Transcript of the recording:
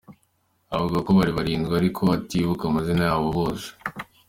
Avuga ko bari barindwi ariko atibuka amazina yabo bose.